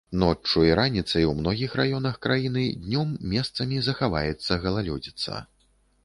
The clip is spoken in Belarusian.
Ноччу і раніцай у многіх раёнах краіны, днём месцамі захаваецца галалёдзіца.